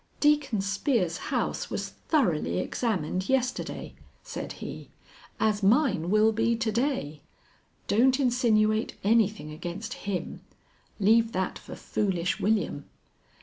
"Deacon Spear's house was thoroughly examined yesterday," said he, "as mine will be to day. Don't insinuate anything against him! Leave that for foolish William."